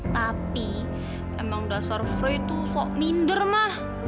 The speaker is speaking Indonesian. tapi emang dasar fre itu sok minder ma